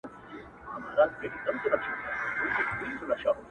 • داسي سفردی پرنمبرباندي وردرومي هرڅوک..